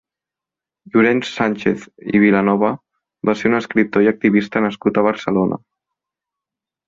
Llorenç Sànchez i Vilanova va ser un escriptor i activista nascut a Barcelona.